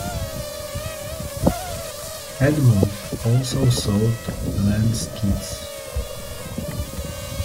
Edmund also sold lens kits.